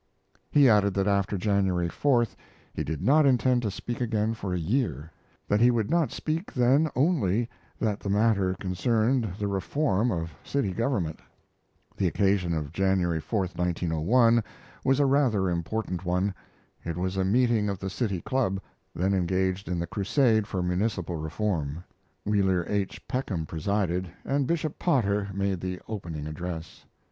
He added that after January 4th he did not intend to speak again for a year that he would not speak then only that the matter concerned the reform of city government. The occasion of January 4, 1901, was a rather important one. It was a meeting of the City Club, then engaged in the crusade for municipal reform. Wheeler H. Peckham presided, and Bishop Potter made the opening address.